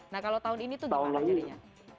nah kalau tahun ini tuh gimana jadinya